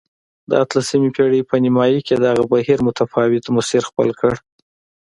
د اتلسمې پېړۍ په نیمايي کې دغه بهیر متفاوت مسیر خپل کړ.